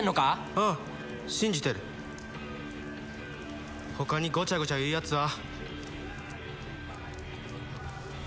ああ信じてる他にゴチャゴチャ言うやつは？